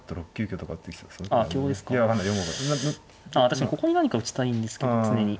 確かにここに何か打ちたいんですけど常に。